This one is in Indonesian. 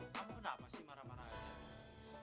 kamu kenapa sih marah marah